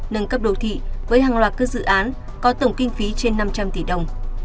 nâng cấp đô thị với hàng loạt các dự án có tổng kinh phí trên năm trăm linh tỷ đồng